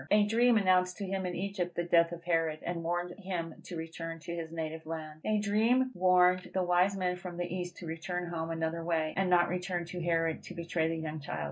A dream announced to him in Egypt the death of Herod, and warned him to return to his native land. A dream warned the wise men from the east to return home another way, and not return to Herod to betray the young child.